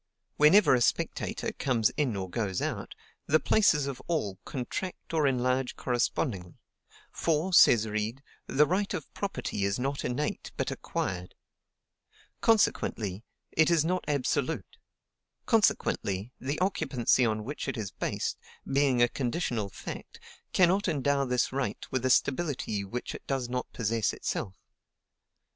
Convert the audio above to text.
Whenever a spectator comes in or goes out, the places of all contract or enlarge correspondingly: for, says Reid, "THE RIGHT OF PROPERTY IS NOT INNATE, BUT ACQUIRED;" consequently, it is not absolute; consequently, the occupancy on which it is based, being a conditional fact, cannot endow this right with a stability which it does not possess itself.